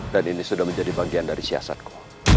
dan ini sudah menjadi bagian dari siasatku